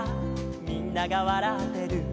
「みんながわらってる」